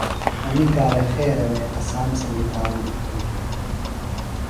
اینیۡ کار خیرے اسام سنگیۡ تعاون تھوئی۔